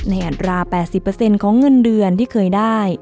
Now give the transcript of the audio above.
อัตรา๘๐ของเงินเดือนที่เคยได้